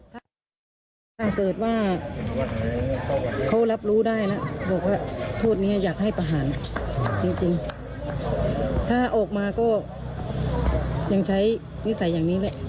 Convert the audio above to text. ตามมีความผ่านว่าเอกเอกเอาผ่านตามด้วย